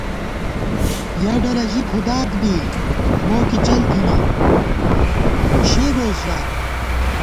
یَہ ڈلہ ژی کُھدات بی مو کی چل تھنہ شے بوئیس ژات